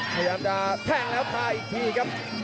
พยายามจะแทรงไปอีกทีครับ